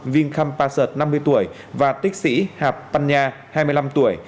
vinh khâm pa sật năm mươi tuổi và tích sĩ hạp păn nha hai mươi năm tuổi